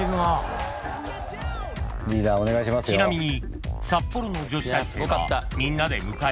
［ちなみに］